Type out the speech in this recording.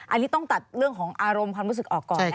อันนี้ต้องตัดเรื่องของอารมณ์ความรู้สึกออกก่อน